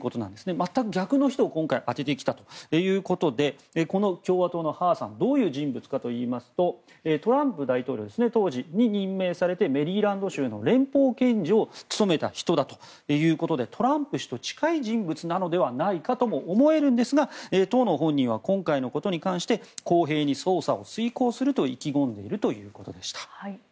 全く逆の人を今回充ててきたということでこの共和党のハーさんはどういう人物かといいますとトランプ大統領当時に任命されてメリーランド州の連邦検事を務めた人だということでトランプ氏と近い人物なのではないかと思えるんですが当の本人は今回のことに関して公平に捜査を遂行すると意気込んでいるということです。